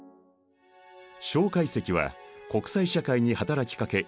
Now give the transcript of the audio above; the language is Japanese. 介石は国際社会に働きかけ